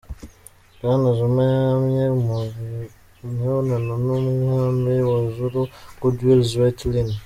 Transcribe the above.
Bwana Zuma yamye mu mubonano n'umwami w'Abazulu, Goodwill Zwelithini.